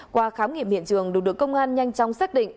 qua khám nghiệm hiện trường được được công an nhanh chóng xác định